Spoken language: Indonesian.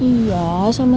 tapi kan ini bukan arah rumah